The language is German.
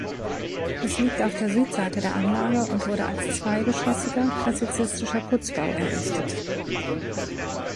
Es liegt auf der Südseite der Anlage und wurde als zweigeschossiger klassizistischer Putzbau errichtet.